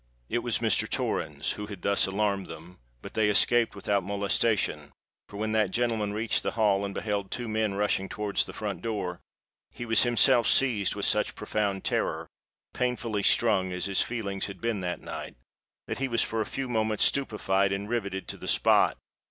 It was Mr. Torrens who had thus alarmed them; but they escaped without molestation—for when that gentleman reached the hall, and beheld two men rushing towards the front door, he was himself seized with such profound terror—painfully strung as his feelings had been that night—that he was for a few moments stupified, and rivetted to the spot.